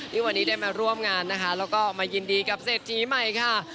ที่วันนี้ได้มาร่วมงานนะคะแล้วก็มายินดีกับเศรษฐีใหม่ค่ะ